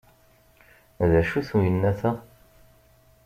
D acu-t uyennat-a?